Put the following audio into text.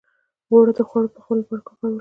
• اور د خوړو پخولو لپاره وکارول شو.